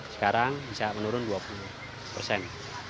sekarang bisa menurun dua puluh persen